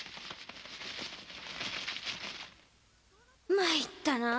まいったなあ